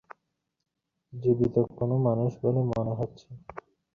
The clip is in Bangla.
এটা শুনে অনেকে খুশিও হতেন, আমি তাদের খুশি করতে চাই না।